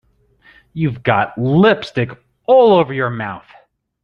You've got lipstick all over your mouth.